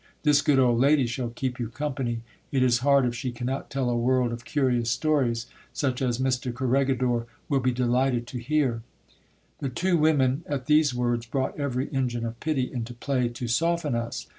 This good old lady shall keep you company ; it is hard if she cannot tell a world of curious stories, such as Mr Corregidor will be delighted to hear. The two women, at these words, brought every engine of pity into play to soften us.